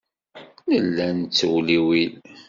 Nella nettewliwil.